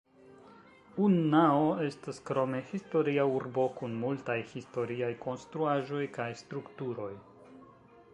Unnao estas krome historia urbo kun multaj historiaj konstruaĵoj kaj strukturoj.